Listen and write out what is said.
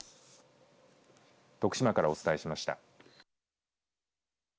徳島からお伝えしました。